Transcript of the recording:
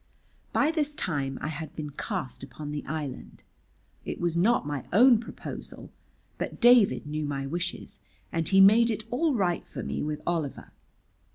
By this time I had been cast upon the island. It was not my own proposal, but David knew my wishes, and he made it all right for me with Oliver.